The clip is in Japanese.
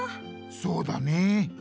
そうだねえ。